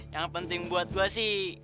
yang penting buat gue sih